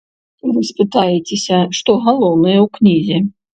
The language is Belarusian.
Вы спытаецеся, што галоўнае ў кнізе?